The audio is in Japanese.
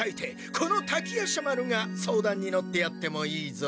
この滝夜叉丸が相談に乗ってやってもいいぞ。